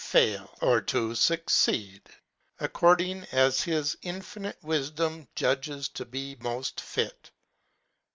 fail or to fucceed, according as his infinite wifdom judges to be moft fit.